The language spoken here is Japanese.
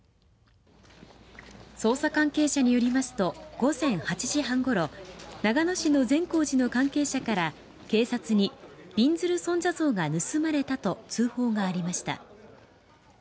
捜査関係者によりますと午前８時半ごろ長野市の善光寺の関係者から警察にびんずる尊者像が盗まれたと通報がありました。